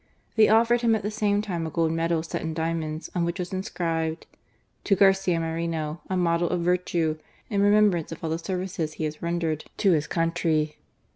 They offered him at the same time a gold medal set in diamonds, on which was inscribed :" To Garcia Moreno, a model of virtue, in remembrance of all the services he has rendered to his country."